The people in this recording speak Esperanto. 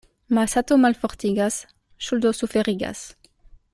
Malsato malfortigas, ŝuldo suferigas.